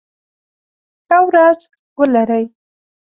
ښه ورځ ولرئ.